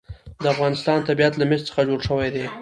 د افغانستان طبیعت له مس څخه جوړ شوی دی.